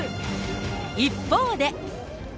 一方で。